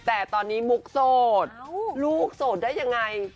แต่ตอนนี้มุกโสดลูกโสดได้ยังไง